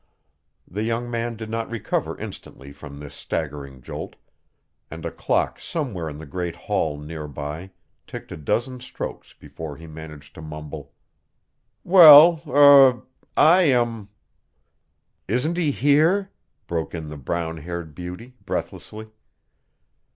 The young man did not recover instantly from this staggering jolt, and a clock somewhere in the great hall nearby ticked a dozen strokes before he managed to mumble: "Well er I am" "Isn't he here?" broke in the brown haired beauty, breathlessly.